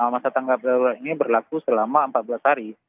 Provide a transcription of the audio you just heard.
masa tanggap darurat ini berlaku selama empat belas hari